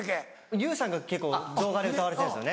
勇さんが結構動画で歌われてるんですよね。